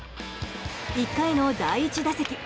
１回の第１打席。